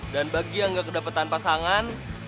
dan bagi yang gak kedapetan pasangan